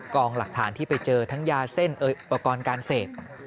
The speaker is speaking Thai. กองหลักฐานที่ไปเจอทั้งยาเส้นอุปกรณ์การเสพ